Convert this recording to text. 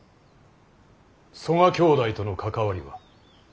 曽我兄弟との関わりは。